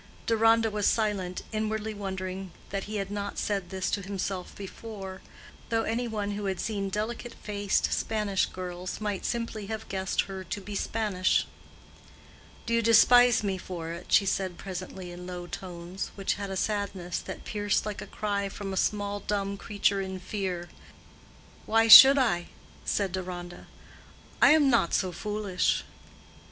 Deronda was silent, inwardly wondering that he had not said this to himself before, though any one who had seen delicate faced Spanish girls might simply have guessed her to be Spanish. "Do you despise me for it?" she said presently in low tones, which had a sadness that pierced like a cry from a small dumb creature in fear. "Why should I?" said Deronda. "I am not so foolish."